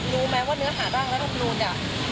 รู้ไหมว่าเนื้อหาทรัพย์ธรรมนูลเนี่ย